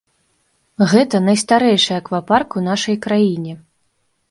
Гэта найстарэйшы аквапарк у нашай краіне.